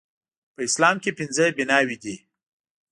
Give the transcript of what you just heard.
په اسلام کې پنځه بناوې دي